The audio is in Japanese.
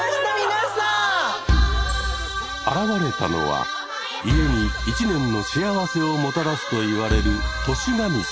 現れたのは家に１年の幸せをもたらすといわれる「年神様」。